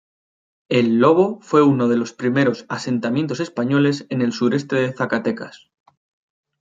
El Lobo fue uno de los primeros asentamientos españoles en el sureste de Zacatecas.